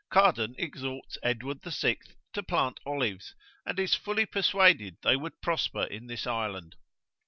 Cardan exhorts Edward the Sixth to plant olives, and is fully persuaded they would prosper in this island.